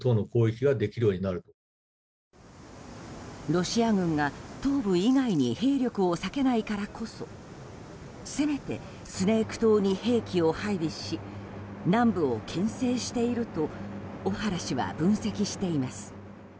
ロシア軍が東部以外に兵力を割けないからこそせめてスネーク島に兵器を配備し南部を牽制していると小原氏は分析しています。